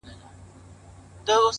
دا وايي دا توره بلا وړي څوك _